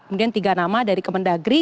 kemudian tiga nama dari kemendagri